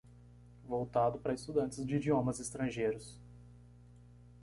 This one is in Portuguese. voltado para estudantes de idiomas estrangeiros.